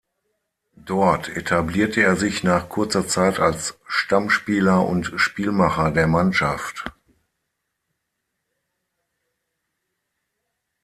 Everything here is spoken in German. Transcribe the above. Dort etablierte er sich nach kurzer Zeit als Stammspieler und Spielmacher der Mannschaft.